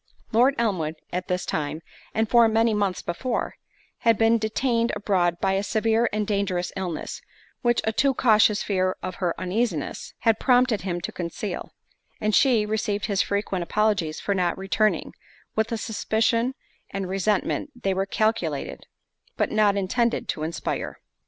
Lord Elmwood at this time, and for many months before, had been detained abroad by a severe and dangerous illness, which a too cautious fear of her uneasiness, had prompted him to conceal; and she received his frequent apologies for not returning, with a suspicion and resentment they were calculated, but not intended, to inspire.